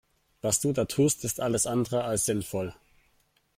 Was du da tust ist alles andere als sinnvoll.